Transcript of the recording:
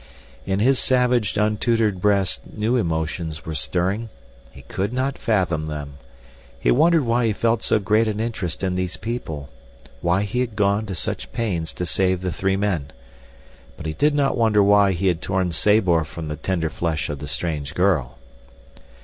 In his savage, untutored breast new emotions were stirring. He could not fathom them. He wondered why he felt so great an interest in these people—why he had gone to such pains to save the three men. But he did not wonder why he had torn Sabor from the tender flesh of the strange girl.